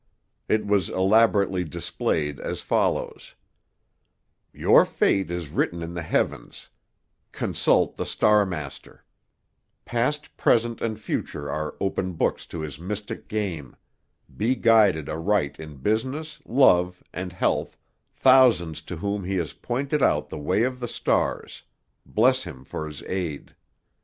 It was elaborately "displayed," as follows: Your Fate is Written in the Heavens Consult The Star Master Past, Present and Future are Open Books to His Mystic Game—Be Guided Aright in Business, Love & Health Thousands to Whom he has pointed Out the Way of the Stars Bless Him for His Aid.